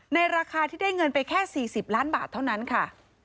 ราคาที่ได้เงินไปแค่๔๐ล้านบาทเท่านั้นค่ะ